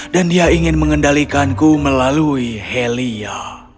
dia ingin mengendalikanku melalui helia